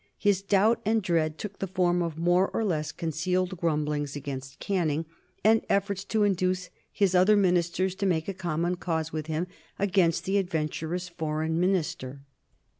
His doubt and dread took the form of more or less concealed grumblings against Canning, and efforts to induce his other ministers to make a common cause with him against the adventurous Foreign Minister.